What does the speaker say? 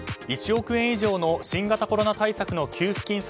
１億円以上の新型コロナ対策の給付金